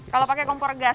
kalau pakai kompor gas